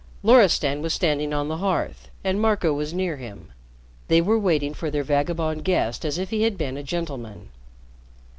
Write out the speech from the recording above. Loristan was standing on the hearth and Marco was near him. They were waiting for their vagabond guest as if he had been a gentleman.